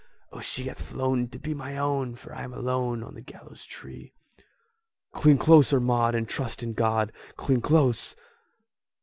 O, she hath flown to be my own, For I'm alone on the gallows tree!" "Cling closer, Maud, and trust in God! Cling close!